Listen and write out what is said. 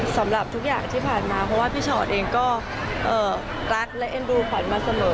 สำหรับทุกอย่างที่ผ่านมาเพราะว่าพี่ชอตเองก็รักและเอ็นดูขวัญมาเสมอ